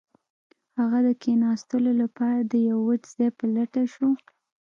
هغه د کښیناستلو لپاره د یو وچ ځای په لټه شو